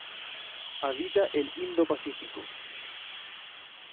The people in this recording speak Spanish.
Habita el Indo Pacífico.